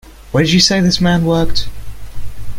Where did you say this man worked?